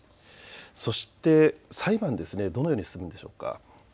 そして裁判、どのように進むのでしょうか。